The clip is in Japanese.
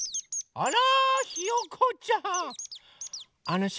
あら！